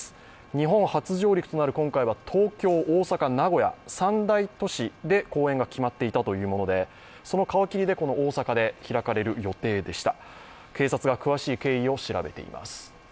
日本初上陸となる今回は、東京、大阪、名古屋、３大都市で公演が決まっていたというもので、皮切りで大阪で開かれる予定でした。